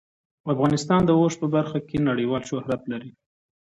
افغانستان د اوښ په برخه کې نړیوال شهرت لري.